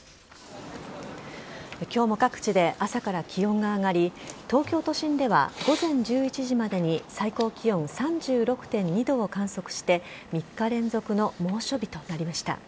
今日も各地で朝から気温が上がり東京都心では午前１１時までに最高気温３６．２度を観測して３日連続の猛暑日となりました。